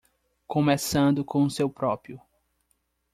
Começando com o seu próprio.